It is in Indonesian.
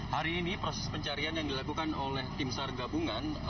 hari ini proses pencarian yang dilakukan oleh tim sar gabungan